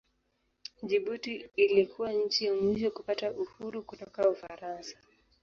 Jibuti ilikuwa nchi ya mwisho kupata uhuru kutoka Ufaransa.